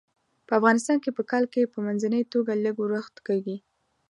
په افغانستان کې په کال کې په منځنۍ توګه لږ ورښت کیږي.